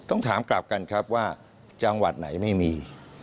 ต้องถามกลับกันครับว่าจังหวัดไหนไม่มี